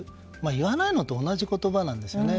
言わないのと同じ言葉なんですね。